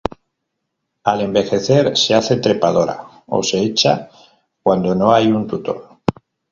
Al envejecer se hace trepadora, o se echa cuando no hay un tutor.